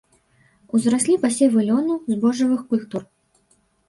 Узраслі пасевы лёну, збожжавых культур.